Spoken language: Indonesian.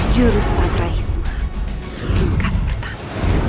jurus patra hikmah tingkat pertama